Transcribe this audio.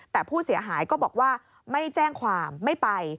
แต่ผู้เสียหายก็บอกว่าไม่แจ้งความไม่ไป